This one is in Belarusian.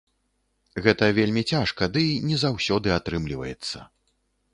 Гэта вельмі цяжка, дый не заўсёды атрымліваецца.